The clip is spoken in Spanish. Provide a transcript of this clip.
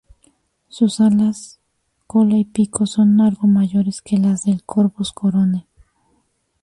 Sus alas cola y pico son algo mayores que las del "Corvus corone".